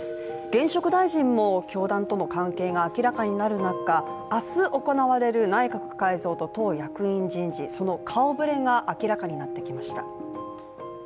現職大臣も教団との関係が明らかになる中明日、行われる内閣改造と党役員人事その顔ぶれが明らかになってきました。